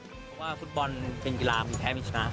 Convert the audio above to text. เพราะว่าฟุตบอลเป็นกีฬามีแพ้มีชนะ